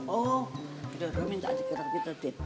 oh udah gue minta dikurangin tadi